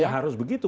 ya harus begitu